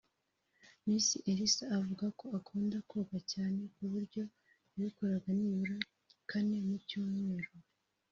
Miss Elsa avuga ko akunda koga cyane ku buryo yabikoraga nibura kane mu cyumweru